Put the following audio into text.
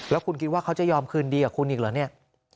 แล้วคุณคิดว่าเขาจะยอมคืนดีกับคุณอีกเหรอเนี่ย